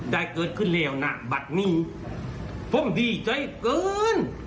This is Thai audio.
ได้เกิดขึ้นแล้วนะบัตรนี้ผมดีใจเกิน